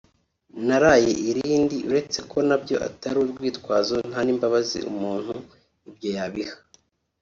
naraye irindi uretse ko nabyo atari urwitwazo nta n’imbabazi umuntu ibyo yabiha